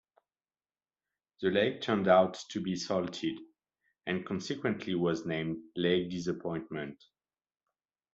The lake turned out to be salted, and consequently was named Lake Disappointment.